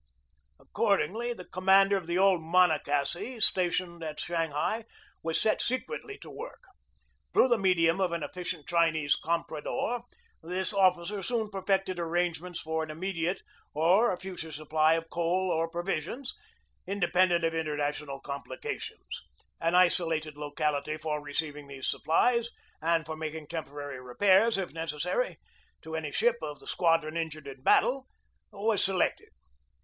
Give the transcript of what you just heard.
Accordingly, the commander of the old Monoc acy, stationed at Shanghai, was set secretly to work. Through the medium of an efficient Chinese compra dor this officer soon perfected arrangements for an immediate or a future supply of coal or provisions, independent of international complications. An iso lated locality for receiving these supplies, and for making temporary repairs, if necessary, to any ship of the squadron injured in battle, was selected.